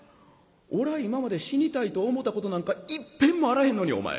俺は今まで死にたいと思うたことなんかいっぺんもあらへんのにお前。